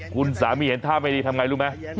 คุณสามีเห็นท่าไม่ดีทำไงรู้ไหม